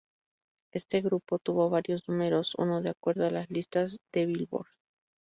Este grupo tuvo varios número uno de acuerdo a las listas de Billboard.